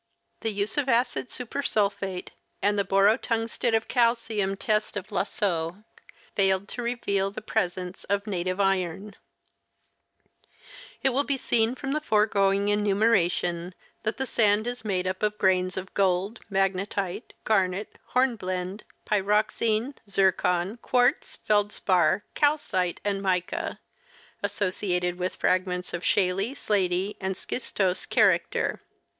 The use of acid super sulphate and the borotungstate of calcium test of Lasaulx failed to reveal the presence of native iron, It will be seen from the foregoing enumeration that the sand is made up of grains of gold, magnetite, garnet, hornblende, pyroxene, zircon, quartz, feldspar, calcite and mica, associated with fragments of a shaly, slaty and schistose character.